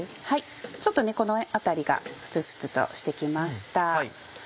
ちょっとこの辺りがフツフツとして来ました。